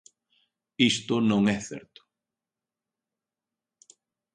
Isto non é certo.